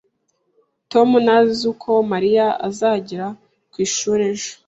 Tom ntazi uko Mariya azagera ku ishuri ejo